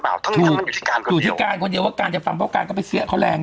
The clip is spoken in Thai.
ะมึงอยู่ที่การคนที่การคนเดียวก็จะเพิ่มก็ไปที่เขาแรง